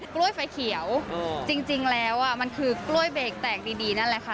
กล้วยไฟเขียวจริงแล้วมันคือกล้วยเบรกแตกดีนั่นแหละค่ะ